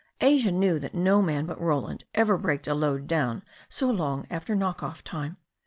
Asia knew that no man but Roland ever braked a load down so long after knock off time.